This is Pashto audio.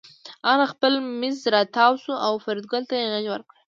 هغه له خپل مېز راتاو شو او فریدګل ته یې غېږ ورکړه